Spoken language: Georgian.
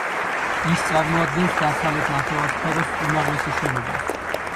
ის წარმოადგენს დასავლეთ ნახევარსფეროს უმაღლესი შენობას.